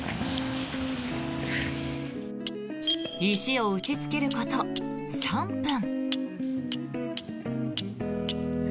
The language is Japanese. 石を打ちつけること３分。